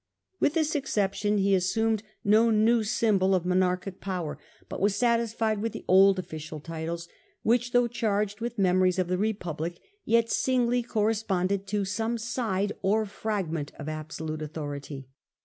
With this exception he assumed no new B.C. SI The Earlief' Empire. symbol of monarchic power, but was satisfied with the old official titles, which, though charged with memories Takes the Republic, yet singly correspondca to U^rSties some side or fragment of absolute authority.